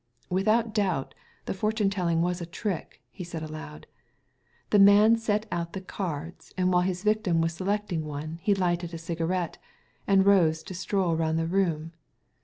" Without doubt the fortune telling was a trick," he said aloud. *' The man set out the cards, and while his victim was selecting one he lighted a cigarette, and rose to stroll round the room.